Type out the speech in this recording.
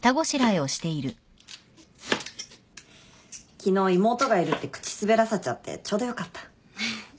昨日妹がいるって口滑らせちゃってちょうどよかった。